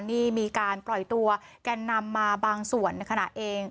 นี่มีการปล่อยตัวแกนนำมาบางส่วนในขณะเอง